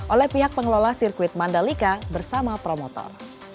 oleh pihak pengelola sirkuit mandalika bersama promotor